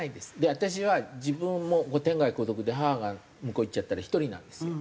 私は自分はもう天涯孤独で母が向こう逝っちゃったら１人なんですよ。